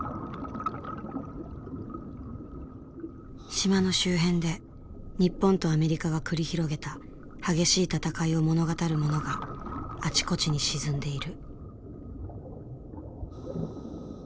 島の周辺で日本とアメリカが繰り広げた激しい戦いを物語るものがあちこちに沈んでいる。